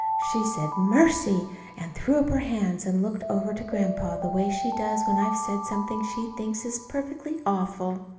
She said, "Mercy!" and threw up her hands and looked over to Grandpa the way she does when I've said something she thinks is perfectly awful.